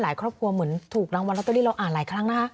ครอบครัวเหมือนถูกรางวัลลอตเตอรี่เราอ่านหลายครั้งนะคะ